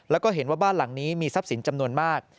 แล้วก็เห็นว่าบ้านหลังนี้มีทรัพย์สินจำนวนมาก